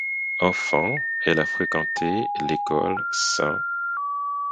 Enfant, elle a fréquenté l'école St.